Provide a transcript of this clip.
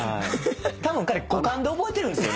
たぶん彼語感で覚えてるんですよ。